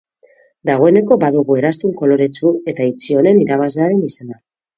Dagoeneko badugu eraztun koloretsu eta itxi honen irabazlearen izena.